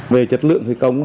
về chất lượng thi công